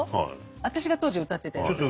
私が当時歌ってたやつ？